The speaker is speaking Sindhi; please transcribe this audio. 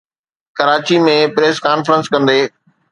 ڪراچي ۾ پريس ڪانفرنس ڪندي